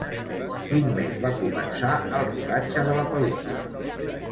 Quin mes va començar el rodatge de la pel·lícula?